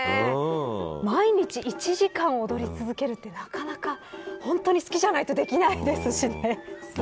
毎日１時間踊り続けるってなかなか本当に好きじゃないとできないですしね。